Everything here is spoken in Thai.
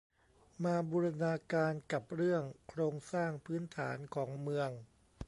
มาบูรณาการกับเรื่องโครงสร้างพื้นฐานของเมือง